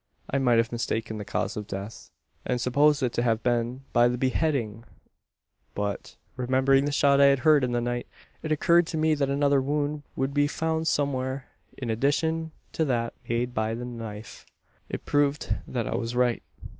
"I might have mistaken the cause of death, and supposed it to have been by the beheading. But, remembering the shot I had heard in the night, it occurred to me that another wound would be found somewhere in addition to that made by the knife. "It proved that I was right.